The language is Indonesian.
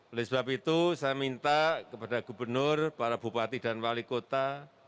oleh sebab itu saya minta kepada gubernur para bupati dan wali kota